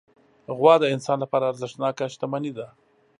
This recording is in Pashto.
غوا د انسان لپاره ارزښتناکه شتمني ده.